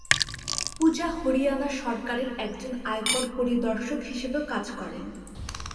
পূজা হরিয়ানা সরকারের একজন আয়কর পরিদর্শক হিসাবেও কাজ করেন।